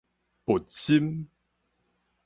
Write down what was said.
佛心